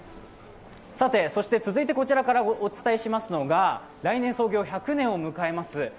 続いて、こちらからお伝えしますのが、来年創業１００年を迎えます